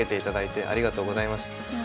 ほんとにありがとうございました。